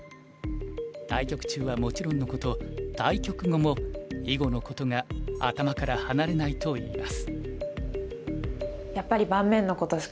対局中はもちろんのこと対局後も囲碁のことが頭から離れないといいます。